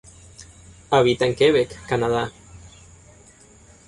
Habita en Quebec Canadá.